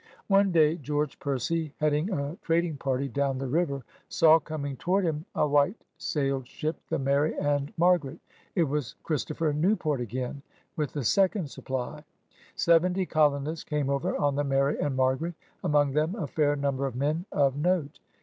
One day George Percy, heading a trading party down the river, saw coming toward him a white 54 PIONEERS OP THE OLD SOUTH sailed ship, the Mary and Margaret — it was Chris topher Newport again, with the second supply. Seventy colonists came over on the Mary and Margaret^ among them a fair number of men of note.